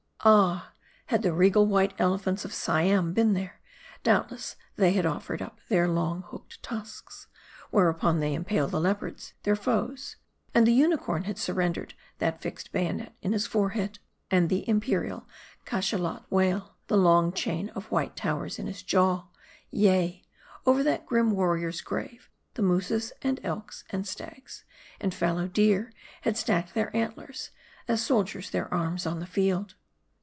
Ah ! had the regal white elephants of Siam been there, doubtless they had offered up their long, hooked tusks, whereon they impale the leopards, their foes ; and the uni corn had surrendered that fixed bayonet in his forehead ; and the imperial Cachalot whale, the long chain of white towers in his jaw ; yea, over that grim warrior's grave, the mooses, and elks, and stags, and fallow deer had stacked their antlers, as soldiers their arms on the field.